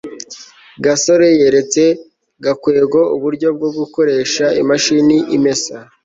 gasore yeretse gakwego uburyo bwo gukoresha imashini imesa